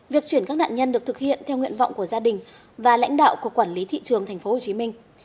việc chuyển các nạn nhân được thực hiện theo nguyện vọng của gia đình và lãnh đạo của quản lý thị trường tp hcm